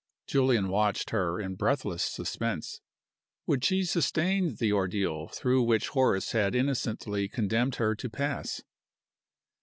Julian watched her in breathless suspense. Would she sustain the ordeal through which Horace had innocently condemned her to pass?